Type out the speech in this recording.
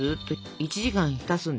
１時間？